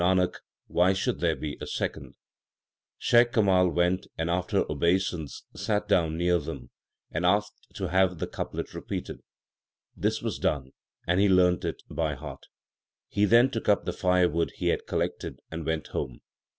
l Shaikh Kamal went and, after obeisance, sat down near them, and asked to have the couplet repeated. This was done, and he learned it by heart. He then took up the firewood he had collected and went home.